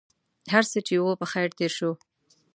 هرڅه چې و په خیر تېر شو.